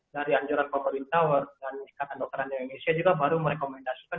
dari anjuran coventry and tower dan ketua dokteran indonesia juga baru merekomendasikan